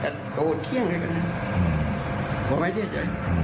หัวไว้เยี่ยมใจ